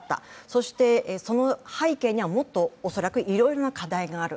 そしてその背景にはもっと恐らくいろいろな課題がある。